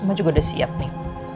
cuma juga udah siap nih